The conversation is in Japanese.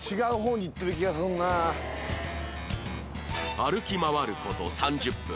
歩き回る事３０分